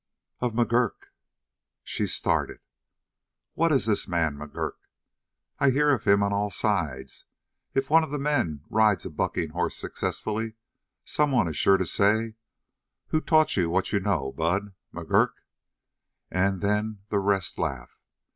"Of McGurk." She started. "What is this man McGurk? I hear of him on all sides. If one of the men rides a bucking horse successfully, someone is sure to say: 'Who taught you what you know, Bud McGurk?' And then the rest laugh.